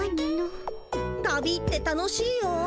旅って楽しいよ。